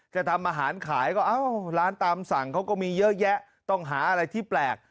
จะทำอาหารขายก็เอ้าร้านตามสั่งเขาก็มีเยอะแยะต้องหาอะไรที่แปลก